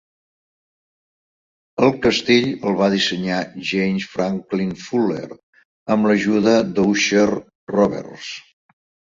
El castell el va dissenyar James Franklin Fuller amb l'ajuda d'Ussher Roberts.